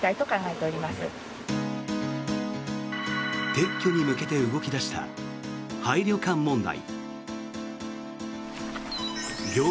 撤去に向けて動き出した廃旅館問題。